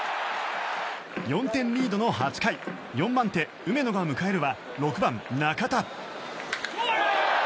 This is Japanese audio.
４点リードの８回４番手、梅野が迎えるは６番、中田。